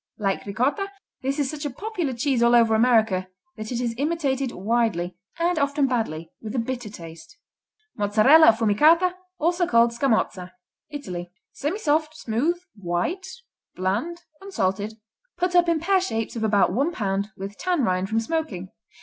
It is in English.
Like Ricotta, this is such a popular cheese all over America that it is imitated widely, and often badly, with a bitter taste. Mozzarella Affumicata, also called Scamozza Italy Semisoft; smooth; white; bland; un salted. Put up in pear shapes of about one pound, with tan rind, from smoking.